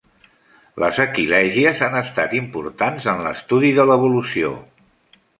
Les aquilègies han estat importants en l'estudi de l'evolució.